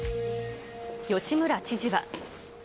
吉村知事は。